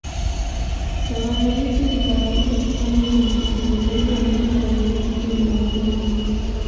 Tohara hizi ni kawaida kufanywa na mtekelezaji ambaye mara nyingi si Mmasai